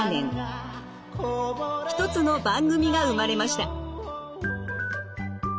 一つの番組が生まれました。